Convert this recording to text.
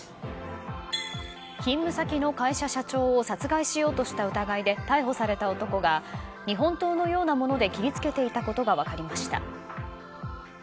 勤務先の会社社長を殺害しようとした疑いで逮捕された男が日本刀のようなもので切りつけていたことが分かりました。